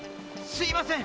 すみません！